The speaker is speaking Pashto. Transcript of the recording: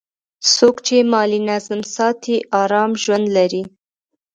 څوک چې مالي نظم ساتي، آرام ژوند لري.